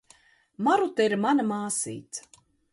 Maruta ir mana māsīca.